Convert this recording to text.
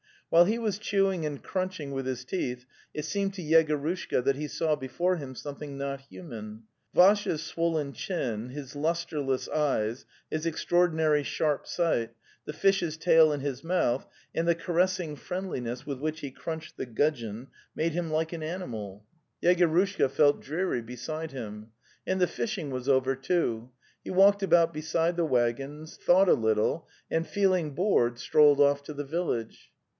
While he was chewing and crunching with his teeth it seemed to Yegorushka that he saw before him something not human. Vassya's swollen chin, his lustreless eyes, his extraordinary sharp sight, the fish's tail in his mouth, and the caressing friendliness with which he crunched the gudgeon made him like an animal. ploy The Tales of Chekhov Yegorushka felt dreary beside him. And the fish ing was over, too. He walked about beside the waggons, thought a little, and, feeling bored, strolled off to the village.